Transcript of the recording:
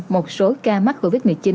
một số ca mắc covid một mươi chín